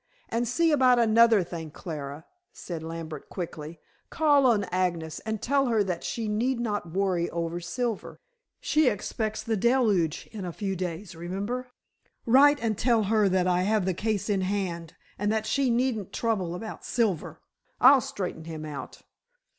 "And see about another thing, Clara," said Lambert quickly. "Call on Agnes and tell her that she need not worry over Silver. She expects the Deluge in a few days, remember." "Write and tell her that I have the case in hand and that she needn't trouble about Silver. I'll straighten him out."